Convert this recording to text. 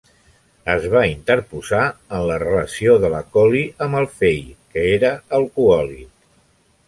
Es va interposar en la relació de la Collie amb el Fay, que era alcohòlic.